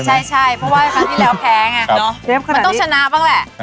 เพราะว่าอันที่แล้วแพงอ่ะเนอะเชฟขนาดนี้มันต้องชนะบ้างแหละ